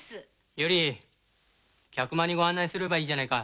ユリ客間にご案内すればいいじゃないか。